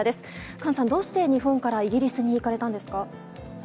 Ｋａｎさん、どうして日本からイギリスに行かれたんですか？